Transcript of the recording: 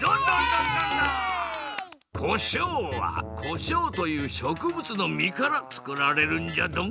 こしょうはこしょうというしょくぶつの実からつくられるんじゃドン。